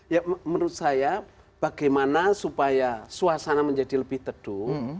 ya menurut saya bagaimana supaya suasana menjadi lebih teduh